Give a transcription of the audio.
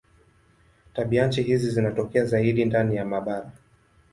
Tabianchi hizi zinatokea zaidi ndani ya mabara.